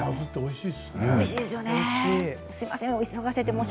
おいしい。